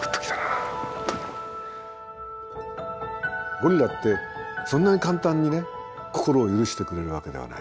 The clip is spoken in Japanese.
ゴリラってそんなに簡単にね心を許してくれるわけではない。